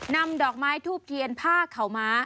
นำดอกไม้ทูบเทียนผ้าข่าวม้า